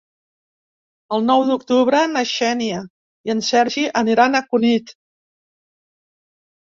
El nou d'octubre na Xènia i en Sergi aniran a Cunit.